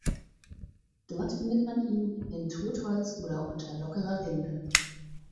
Dort findet man ihn in Totholz oder unter lockerer Rinde.